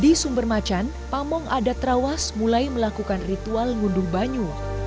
di sumbermacan pamong adat rawas mulai melakukan ritual ngunduh banyu